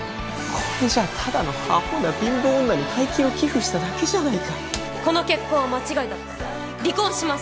これじゃただのアホな貧乏女に大金を寄付しただけじゃないかこの結婚は間違いだった離婚します！